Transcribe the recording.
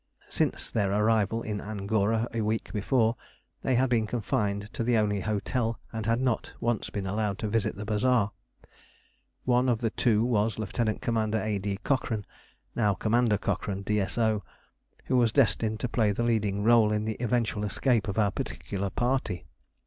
Since their arrival in Angora a week before, they had been confined to the only hotel and had not once been allowed to visit the bazaar. One of the two was Lieut. Commander A. D. Cochrane (now Commander Cochrane, D.S.O.), who was destined to play the leading rôle in the eventual escape of our particular party.